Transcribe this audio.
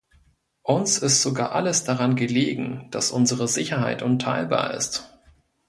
Uns ist sogar alles daran gelegen, dass unsere Sicherheit unteilbar ist.